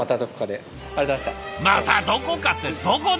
「またどこか」ってどこで！？